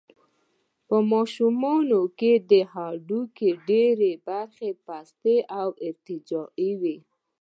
په ماشومانو کې د هډوکو ډېره برخه پسته او ارتجاعي وي.